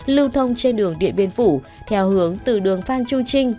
lưu thông trên đường điện biên phủ theo hướng từ đường phan chu trinh